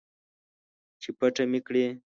چې پټه مې کړي